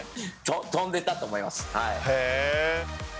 飛んでたと思います。